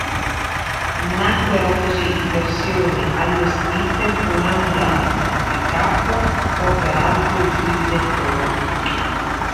Nacquero così versioni allestite come ambulanze, pick-up o per altri utilizzi ancora.